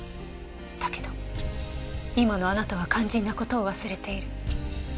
だけど今のあなたは肝心な事を忘れている。